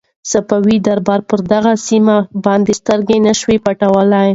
صفوي دربار پر دغه سیمه باندې سترګې نه شوای پټولای.